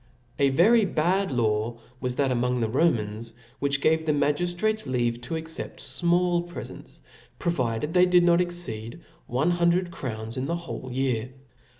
A very bad law that was among the Romans 0, which gave the magiftratcs leave to accept (OXcg 5* of fmall prefents *, provided they did not exceed ^ui^^ct. one hundred crowns the whole year.